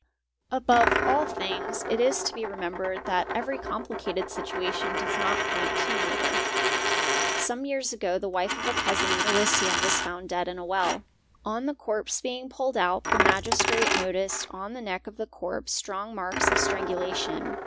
Above all things it is to be remembered that every complicated situ ation does not point to murder. Some years ago the wife of a peasant in Galicia was found dead in a well. On the corpse being pulled out, the Magistrate noticed on the neck of the corpse strong marks of strangu lation.